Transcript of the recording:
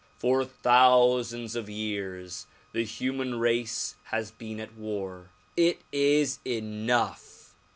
For thousands of years the human race has been at war. It is enough.